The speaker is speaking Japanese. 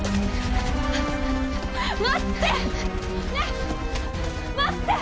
待って！ねえ待って！